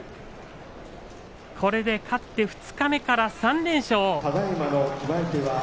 これで勝って二日目から３連勝。